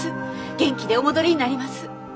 元気でお戻りになります。